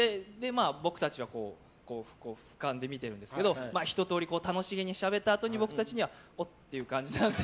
僕たちは俯瞰で見ているんですけどひと通り楽しげにしゃべったあとに僕たちには、おっていう感じで。